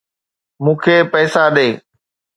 مون کي پئسا ڏي.